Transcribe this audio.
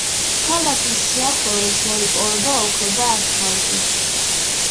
ქალაქის სიახლოვეს მოიპოვება ოქრო და ასფალტი.